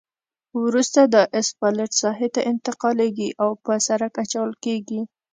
وروسته دا اسفالټ ساحې ته انتقالیږي او په سرک اچول کیږي